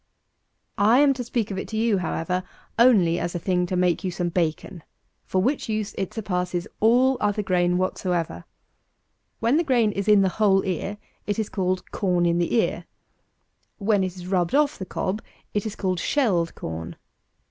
262. I am to speak of it to you, however, only as a thing to make you some bacon, for which use it surpasses all other grain whatsoever. When the grain is in the whole ear, it is called corn in the ear; when it is rubbed off the cob, it is called shelled corn.